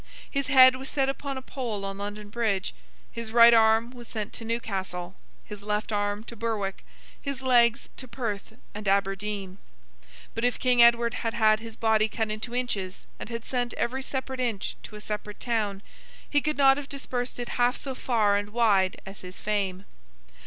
His head was set upon a pole on London Bridge, his right arm was sent to Newcastle, his left arm to Berwick, his legs to Perth and Aberdeen. But, if King Edward had had his body cut into inches, and had sent every separate inch into a separate town, he could not have dispersed it half so far and wide as his fame.